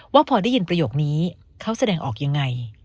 ว่าพอได้ยินประโยคนี้เขาแสดงออกยังไง